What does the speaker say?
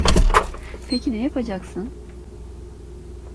Peki ne yapacaksın?